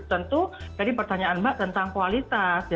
tentu jadi pertanyaan mbak tentang kualitas